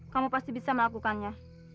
kamu pasti bisa melakukannya